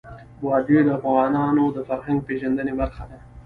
وادي د افغانانو د فرهنګ پیژندني برخه ده.